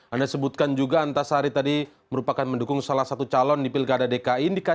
anda sebutkan juga antasari tadi merupakan mendukung salah satu calon di pilkada dki